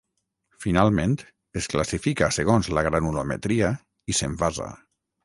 Finalment, es classifica segons la granulometria i s'envasa.